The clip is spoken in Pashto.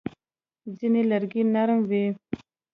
ځینې لرګي نرم وي.